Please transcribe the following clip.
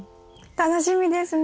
楽しみですね。